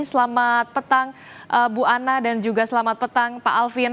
selamat petang bu ana dan juga selamat petang pak alvin